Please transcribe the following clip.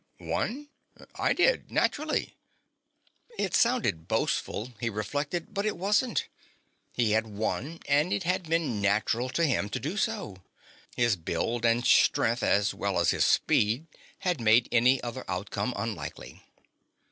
"Won? I did. Naturally." It sounded boastful, he reflected, but it wasn't. He had won, and it had been natural to him to do so. His build and strength, as well as his speed, had made any other outcome unlikely.